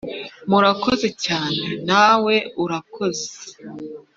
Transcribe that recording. murakoze cyane nawe urakoza